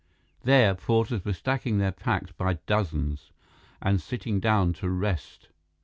There, porters were stacking their packs by dozens and sitting down to rest.